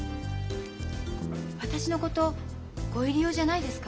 私のことご入り用じゃないですか？